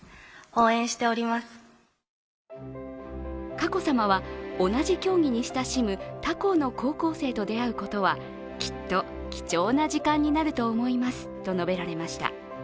佳子さまは、同じ競技に親しむ他校の高校生と出会うことは、きっと貴重な時間になると思いますと述べられました。